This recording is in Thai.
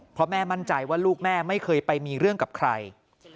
เพราะแม่มั่นใจว่าลูกแม่ไม่เคยไปมีเรื่องกับใคร